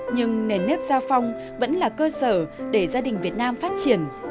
nhưng nền nếp gia phong vẫn là cơ sở để gia đình việt nam phát triển